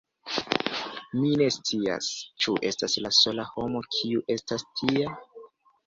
Mi ne scias… Ĉu estas la sola homo, kiu estas tia?